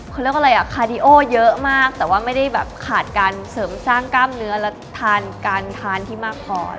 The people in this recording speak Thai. เขาเรียกว่าอะไรอ่ะคาดิโอเยอะมากแต่ว่าไม่ได้แบบขาดการเสริมสร้างกล้ามเนื้อและทานการทานที่มากพอ